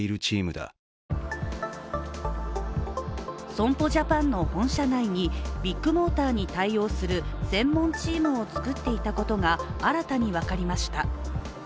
損保ジャパンの本社内にビッグモーターに対応する専門チームを作っていたことが新たに分かりました。